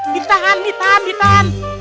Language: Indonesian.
ditahan ditahan ditahan